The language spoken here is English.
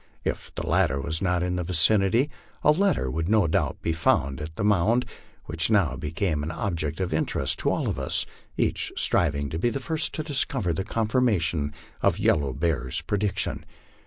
If the latter was not in the vicinity a letter would no doubt be found at the mound, which now became an object of interest to all of us, each striving to be the first to discover the confirmation of Yellow Bear's prediction.